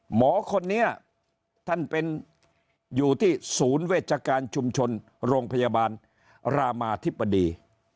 หมอคนนี้ท่านเป็นอยู่ที่ศูนย์เวชการชุมชนโรงพยาบาลรามาธิบดี